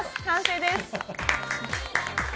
完成です。